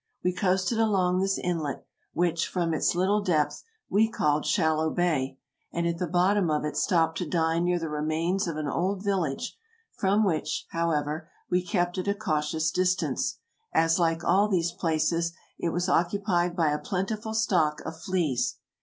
We coasted along this inlet, which, from its little depth, we called Shallow Bay, and at the bottom of it stopped to dine near the remains of an old village, from which, however, we kept at a cautious distance, as, like all these places, it was occupied by a plentiful stock of fleas.